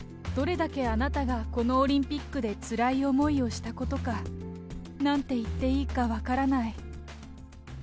どれだけ、あなたがこのオリンピックでつらい思いをしたことか。なんて言っていいか分からない。